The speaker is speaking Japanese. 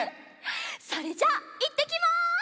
それじゃあいってきます！